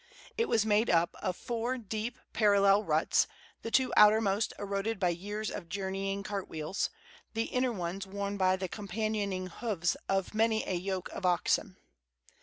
It was made up of four deep, parallel ruts, the two outermost eroded by years of journeying cart wheels, the inner ones worn by the companioning hoofs of many a yoke of oxen.